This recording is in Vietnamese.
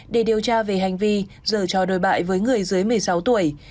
để điều tra về hành vi dở cho đối bại với người dưới một mươi sáu tuổi